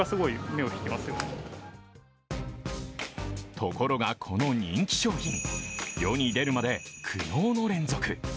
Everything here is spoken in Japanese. ところがこの人気商品、世に出るまで苦悩の連続。